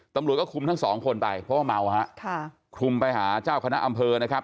ตำรวจก็คุมทั้งสองคนไปเพราะว่าเมาฮะค่ะคลุมไปหาเจ้าคณะอำเภอนะครับ